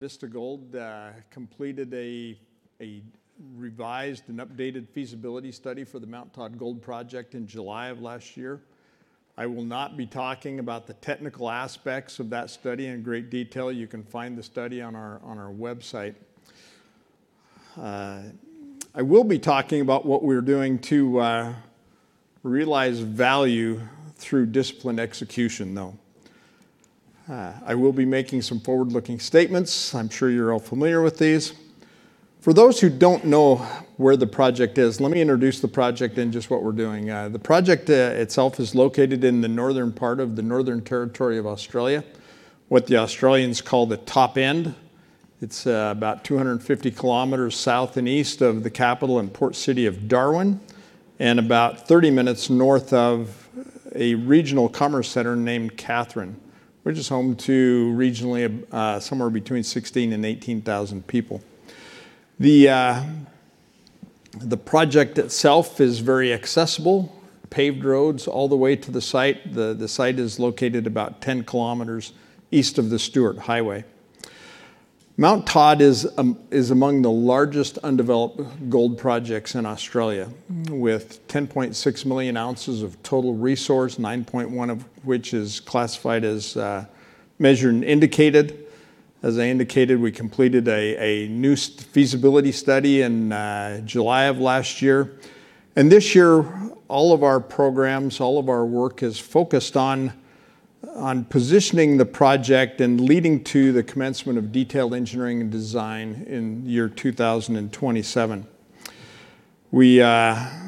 Vista Gold completed a revised and updated feasibility study for the Mt. Todd gold project in July of last year. I will not be talking about the technical aspects of that study in great detail. You can find the study on our website. I will be talking about what we're doing to realize value through disciplined execution, though. I will be making some forward-looking statements. I'm sure you're all familiar with these. For those who don't know where the project is, let me introduce the project and just what we're doing. The project itself is located in the northern part of the Northern Territory of Australia, what the Australians call the Top End. It's about 250 km south and east of the capital and port city of Darwin, and about 30 minutes north of a regional commerce center named Katherine, which is home to regionally, somewhere between 16,000 and 18,000 people. The project itself is very accessible, paved roads all the way to the site. The site is located about 10 km east of the Stuart Highway. Mt. Todd is among the largest undeveloped gold projects in Australia, with 10.6 million ounces of total resource, 9.1 of which is classified as measured and indicated. As I indicated, we completed a new feasibility study in July of last year. This year, all of our programs, all of our work has focused on positioning the project and leading to the commencement of detailed engineering and design in year 2027. We are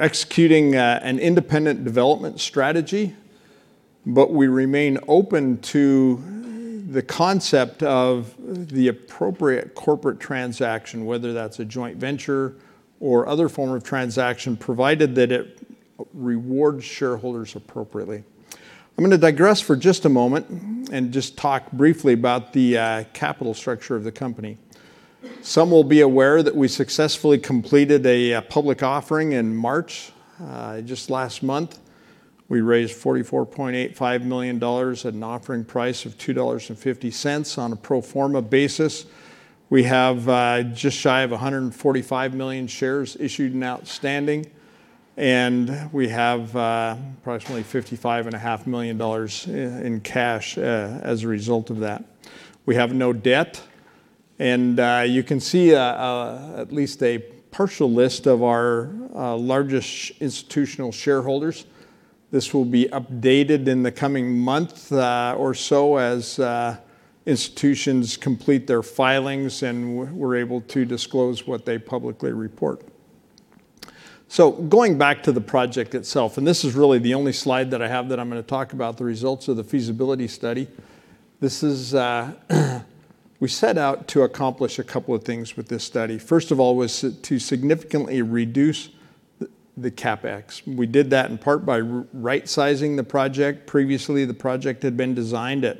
executing an independent development strategy, but we remain open to the concept of the appropriate corporate transaction, whether that's a joint venture or other form of transaction, provided that it rewards shareholders appropriately. I'm going to digress for just a moment and just talk briefly about the capital structure of the company. Some will be aware that we successfully completed a public offering in March, just last month. We raised $44.85 million at an offering price of $2.50 on a pro forma basis. We have just shy of 145 million shares issued and outstanding, and we have approximately $55.5 million in cash as a result of that. We have no debt, and you can see at least a partial list of our largest institutional shareholders. This will be updated in the coming month or so as institutions complete their filings and we're able to disclose what they publicly report. Going back to the project itself, this is really the only slide that I have that I'm going to talk about the results of the feasibility study. We set out to accomplish a couple of things with this study. First of all was to significantly reduce the CapEx. We did that in part by right-sizing the project. Previously, the project had been designed at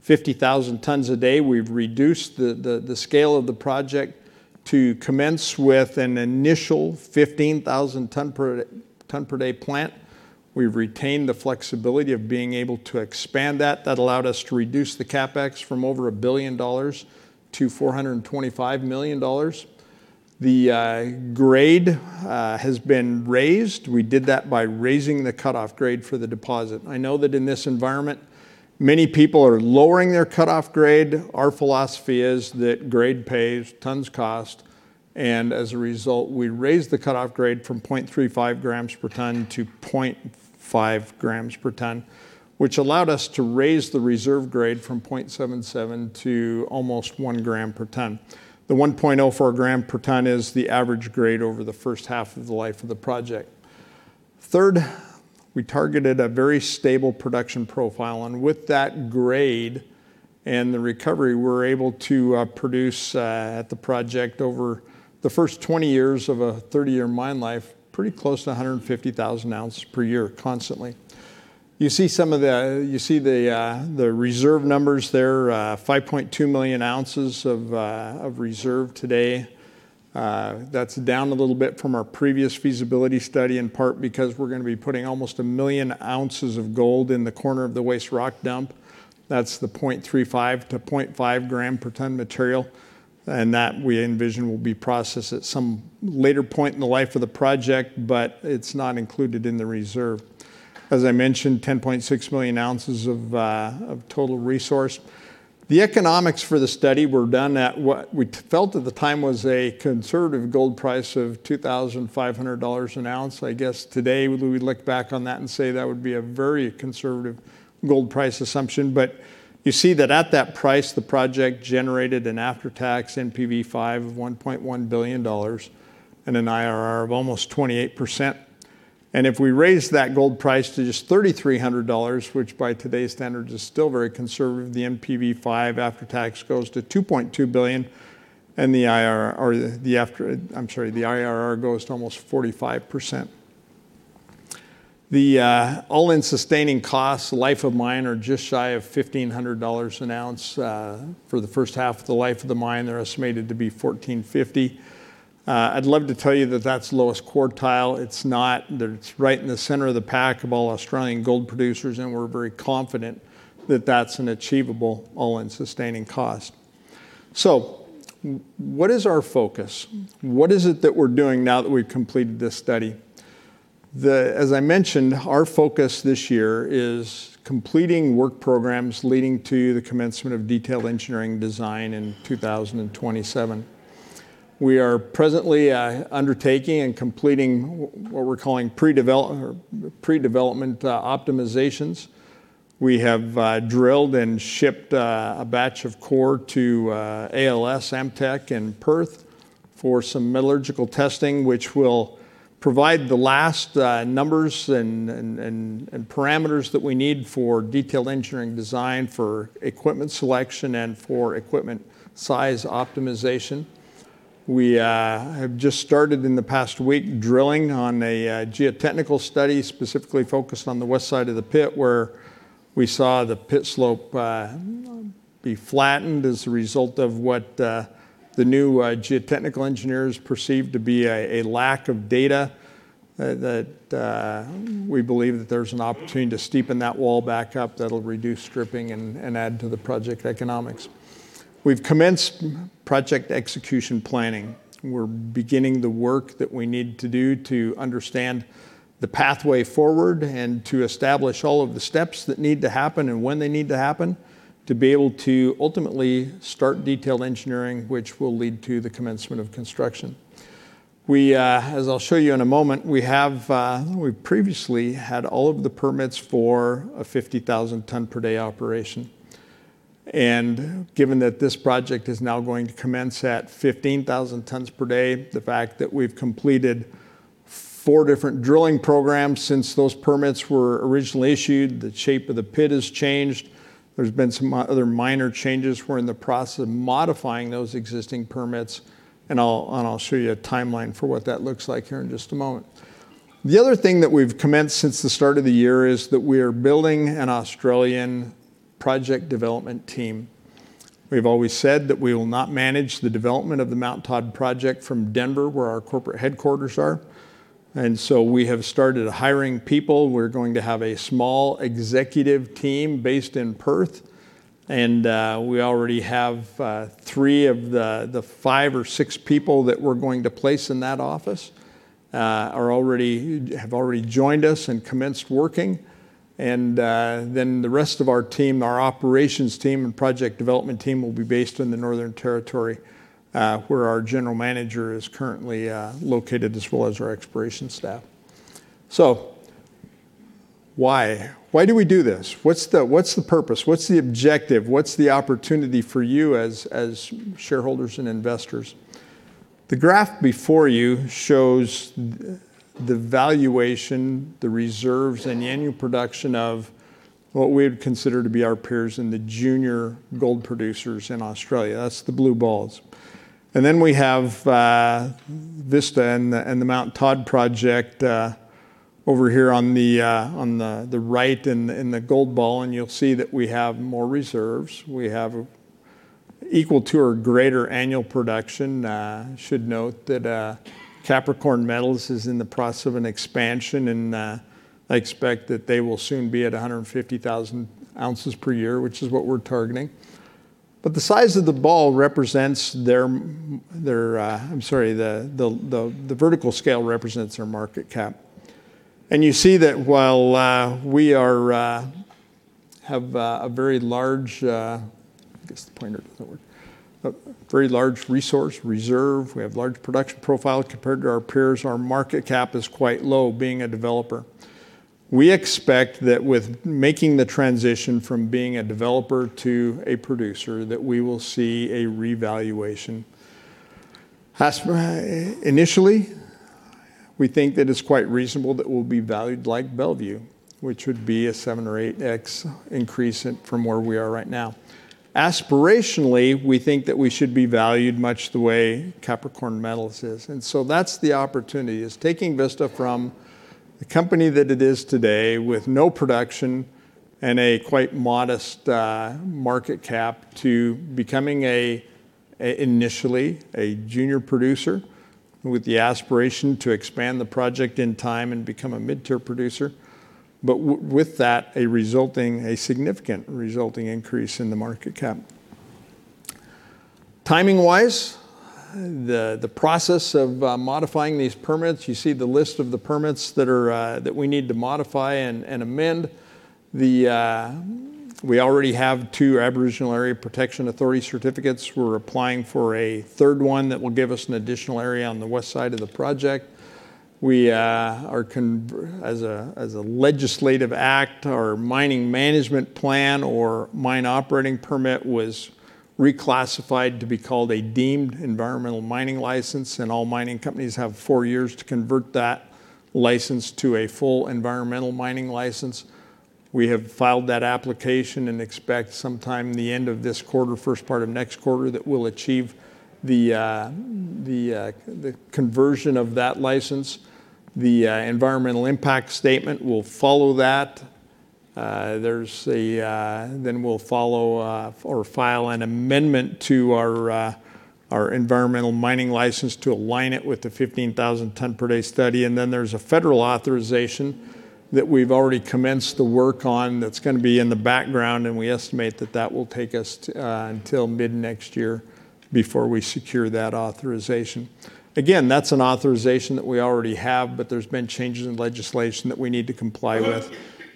50,000 tons a day. We've reduced the scale of the project to commence with an initial 15,000 ton per day plant. We've retained the flexibility of being able to expand that. That allowed us to reduce the CapEx from over a billion dollars to $425 million. The grade has been raised. We did that by raising the cut-off grade for the deposit. I know that in this environment, many people are lowering their cut-off grade. Our philosophy is that grade pays, tons cost, and as a result, we raised the cut-off grade from 0.35 grams per ton-0.5 grams per ton, which allowed us to raise the reserve grade from 0.77 to almost one gram per ton. The 1.04 gram per ton is the average grade over the first half of the life of the project. Third, we targeted a very stable production profile, and with that grade and the recovery, we're able to produce at the project over the first 20 years of a 30-year mine life, pretty close to 150,000 ounce per year constantly. You see the reserve numbers there, 5.2 million ounces of reserve today. That's down a little bit from our previous feasibility study, in part because we're going to be putting almost 1 million ounces of gold in the corner of the waste rock dump. That's the 0.35 gram per ton-0.5 gram per ton material, and that we envision will be processed at some later point in the life of the project, but it's not included in the reserve. As I mentioned, 10.6 million ounces of total resource. The economics for the study were done at what we felt at the time was a conservative gold price of $2,500 an ounce. I guess today we look back on that and say that would be a very conservative gold price assumption. You see that at that price, the project generated an after-tax NPV5 of $1.1 billion and an IRR of almost 28%. If we raise that gold price to just $3,300, which by today's standards is still very conservative, the NPV5 after tax goes to $2.2 billion, and the IRR goes to almost 45%. The all-in sustaining costs life of mine are just shy of $1,500 an ounce. For the first half of the life of the mine, they're estimated to be $1,450. I'd love to tell you that that's lowest quartile. It's not. It's right in the center of the pack of all Australian gold producers, and we're very confident that that's an achievable all-in sustaining cost. What is our focus? What is it that we're doing now that we've completed this study? As I mentioned, our focus this year is completing work programs leading to the commencement of detailed engineering design in 2027. We are presently undertaking and completing what we're calling pre-development optimizations. We have drilled and shipped a batch of core to ALS Ammtec in Perth for some metallurgical testing, which will provide the last numbers and parameters that we need for detailed engineering design, for equipment selection, and for equipment size optimization. We have just started in the past week drilling on a geotechnical study, specifically focused on the west side of the pit where we saw the pit slope be flattened as a result of what the new geotechnical engineers perceived to be a lack of data that we believe that there's an opportunity to steepen that wall back up that'll reduce stripping and add to the project economics. We've commenced project execution planning. We're beginning the work that we need to do to understand the pathway forward and to establish all of the steps that need to happen and when they need to happen to be able to ultimately start detailed engineering, which will lead to the commencement of construction. As I'll show you in a moment, we previously had all of the permits for a 50,000 ton per day operation, and given that this project is now going to commence at 15,000 tons per day, the fact that we've completed four different drilling programs since those permits were originally issued, the shape of the pit has changed. There's been some other minor changes. We're in the process of modifying those existing permits, and I'll show you a timeline for what that looks like here in just a moment. The other thing that we've commenced since the start of the year is that we are building an Australian project development team. We've always said that we will not manage the development of the Mt. Todd project from Denver, where our corporate headquarters are. We have started hiring people. We're going to have a small executive team based in Perth, and we already have three of the five or six people that we're going to place in that office have already joined us and commenced working. The rest of our team, our operations team and project development team, will be based in the Northern Territory, where our General Manager is currently located, as well as our exploration staff. Why? Why do we do this? What's the purpose? What's the objective? What's the opportunity for you as shareholders and investors? The graph before you shows the valuation, the reserves, and the annual production of what we would consider to be our peers in the junior gold producers in Australia. That's the blue balls. We have Vista and the Mount Todd project over here on the right in the gold ball, and you'll see that we have more reserves. We have equal to or greater annual production. Should note that Capricorn Metals is in the process of an expansion, and I expect that they will soon be at 150,000 ounces per year, which is what we're targeting. The vertical scale represents their market cap. You see that while we have a very large resource reserve, we have large production profile compared to our peers, our market cap is quite low, being a developer. We expect that with making the transition from being a developer to a producer, that we will see a revaluation. Initially, we think that it's quite reasonable that we'll be valued like Bellevue, which would be a seven or 8x increase from where we are right now. Aspirationally, we think that we should be valued much the way Capricorn Metals is. That's the opportunity, is taking Vista from the company that it is today with no production and a quite modest market cap to becoming initially a junior producer with the aspiration to expand the project in time and become a mid-tier producer. With that, a significant resulting increase in the market cap. Timing-wise, the process of modifying these permits, you see the list of the permits that we need to modify and amend. We already have two Aboriginal Areas Protection Authority certificates. We're applying for a third one that will give us an additional area on the west side of the project. As a legislative act, our mining management plan or mine operating permit was reclassified to be called a Deemed Environmental Mining License, and all mining companies have four years to convert that license to a full environmental mining license. We have filed that application and expect sometime the end of this quarter, first part of next quarter, that we'll achieve the conversion of that license. The environmental impact statement will follow that. We'll follow or file an amendment to our environmental mining license to align it with the 15,000 ton per day study. There's a federal authorization that we've already commenced the work on that's going to be in the background, and we estimate that that will take us until mid-next year before we secure that authorization. Again, that's an authorization that we already have, but there's been changes in legislation that we need to comply with,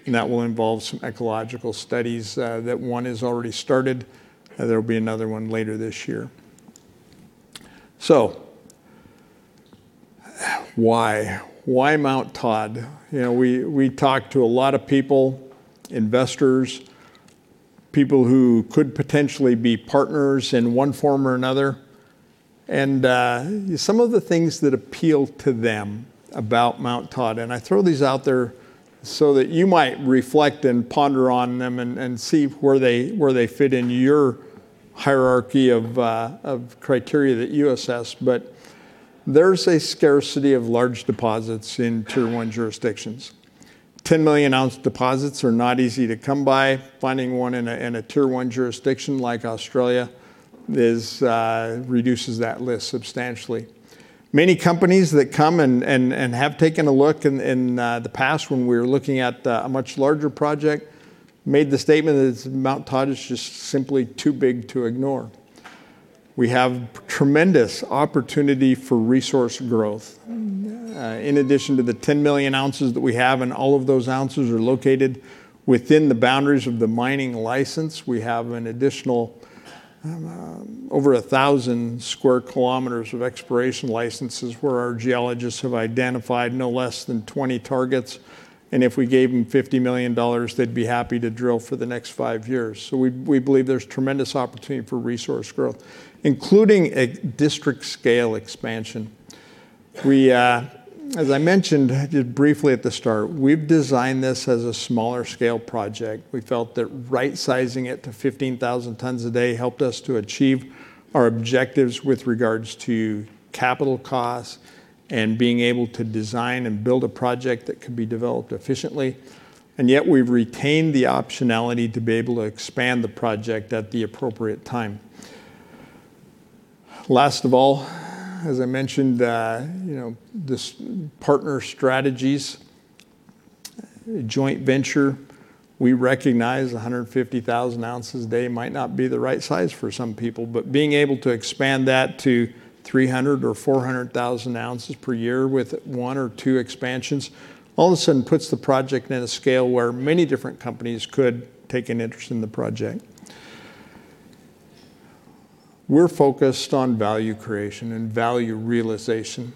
and that will involve some ecological studies. That one is already started, and there will be another one later this year. Why Mount Todd? We talk to a lot of people, investors, people who could potentially be partners in one form or another, and some of the things that appeal to them about Mount Todd, and I throw these out there so that you might reflect and ponder on them and see where they fit in your hierarchy of criteria that you assess. There's a scarcity of large deposits in tier-one jurisdictions. 10 million ounce deposits are not easy to come by. Finding one in a tier-one jurisdiction like Australia reduces that list substantially. Many companies that come and have taken a look in the past when we were looking at a much larger project made the statement that Mt. Todd is just simply too big to ignore. We have tremendous opportunity for resource growth. In addition to the 10 million ounces that we have, and all of those ounces are located within the boundaries of the mining license, we have an additional over 1,000 sq km of exploration licenses where our geologists have identified no less than 20 targets. If we gave them $50 million, they'd be happy to drill for the next five years. We believe there's tremendous opportunity for resource growth, including a district-scale expansion. As I mentioned briefly at the start, we've designed this as a smaller-scale project. We felt that right-sizing it to 15,000 tons a day helped us to achieve our objectives with regards to capital costs and being able to design and build a project that could be developed efficiently. We've retained the optionality to be able to expand the project at the appropriate time. Last of all, as I mentioned, this partner strategies joint venture, we recognize 150,000 ounces a day might not be the right size for some people. Being able to expand that to 300,000 ounces-400,000 ounces per year with one or two expansions, all of a sudden puts the project in a scale where many different companies could take an interest in the project. We're focused on value creation and value realization.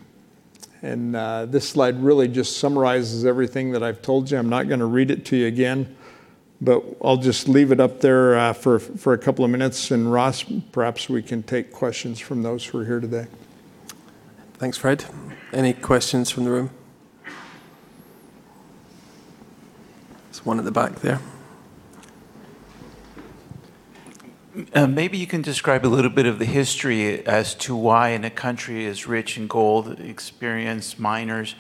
This slide really just summarizes everything that I've told you. I'm not going to read it to you again, but I'll just leave it up there for a couple of minutes. Ross, perhaps we can take questions from those who are here today. Thanks, Fred. Any questions from the room? There's one at the back there. Maybe you can describe a little bit of the history as to why in a country as rich in gold, experienced miners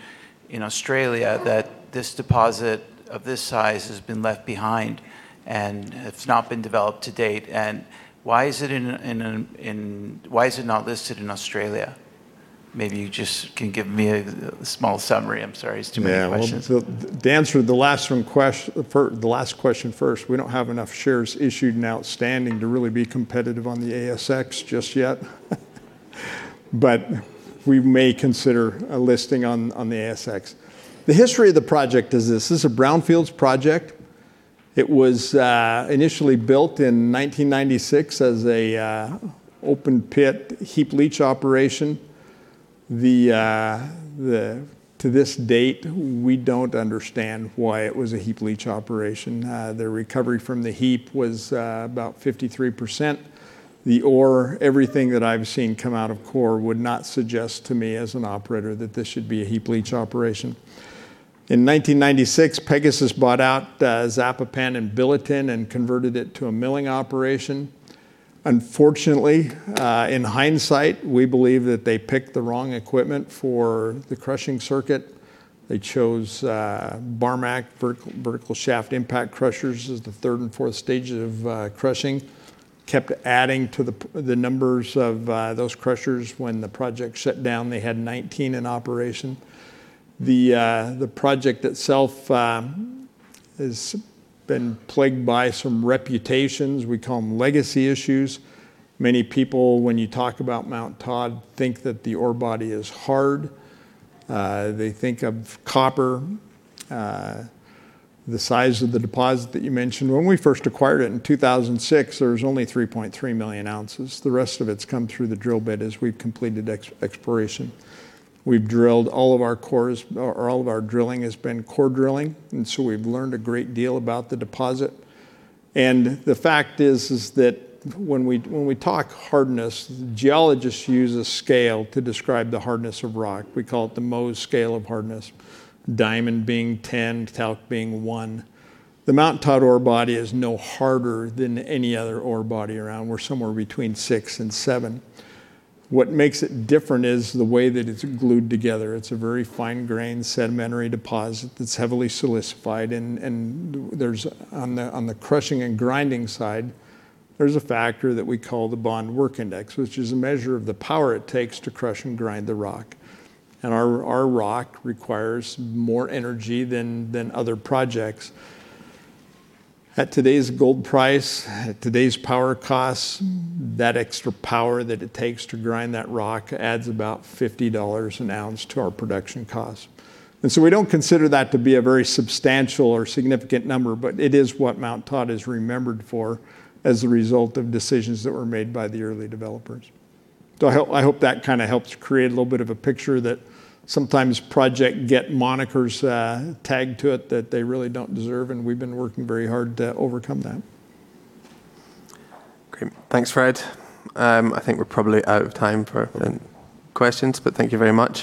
in Australia, that this deposit of this size has been left behind and it's not been developed to date. Why is it not listed in Australia? Maybe you just can give me a small summary. I'm sorry, it's too many questions. To answer the last question first, we don't have enough shares issued and outstanding to really be competitive on the ASX just yet, but we may consider a listing on the ASX. The history of the project is this. This is a brownfields project. It was initially built in 1996 as an open pit heap leach operation. To this date, we don't understand why it was a heap leach operation. The recovery from the heap was about 53%. The ore, everything that I've seen come out of core would not suggest to me as an operator that this should be a heap leach operation. In 1996, Pegasus bought out Zapopan and Billiton and converted it to a milling operation. Unfortunately, in hindsight, we believe that they picked the wrong equipment for the crushing circuit. They chose Barmac vertical shaft impact crushers as the third and fourth stages of crushing. kept adding to the numbers of those crushers. When the project shut down, they had 19 in operation. The project itself has been plagued by some reputations. We call them legacy issues. Many people, when you talk about Mount Todd, think that the ore body is hard. They think of copper, the size of the deposit that you mentioned. When we first acquired it in 2006, there was only 3.3 million ounces. The rest of it's come through the drill bit as we've completed exploration. All of our drilling has been core drilling, and so we've learned a great deal about the deposit. The fact is that when we talk hardness, geologists use a scale to describe the hardness of rock. We call it the Mohs scale of hardness, diamond being 10, talc being one. The Mount Todd ore body is no harder than any other ore body around. We're somewhere between six and seven. What makes it different is the way that it's glued together. It's a very fine-grain sedimentary deposit that's heavily silicified. On the crushing and grinding side, there's a factor that we call the Bond Work Index, which is a measure of the power it takes to crush and grind the rock. Our rock requires more energy than other projects. At today's gold price, at today's power costs, that extra power that it takes to grind that rock adds about $50 an ounce to our production cost. We don't consider that to be a very substantial or significant number, but it is what Mt.Todd is remembered for as a result of decisions that were made by the early developers. I hope that kind of helps create a little bit of a picture that sometimes projects get monikers tagged to it that they really don't deserve, and we've been working very hard to overcome that. Okay, thanks, Fred. I think we're probably out of time for questions, but thank you very much.